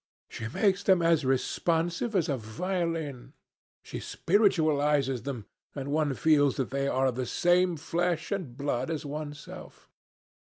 She makes them as responsive as a violin. She spiritualizes them, and one feels that they are of the same flesh and blood as one's self."